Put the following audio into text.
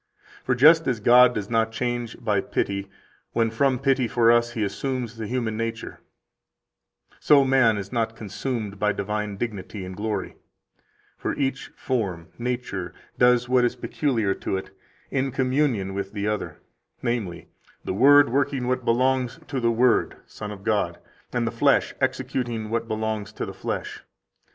For just as God does not change by pity [when from pity for us He assumes the human nature], so man is not consumed by divine dignity [and glory]; for each form [nature] does what is peculiar to it, in communion with the other – namely, the Word working what belongs to the Word [Son of God], and the flesh executing what belongs to the flesh.